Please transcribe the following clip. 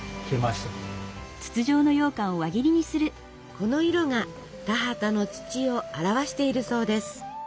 この色が田畑の土を表しているそうです。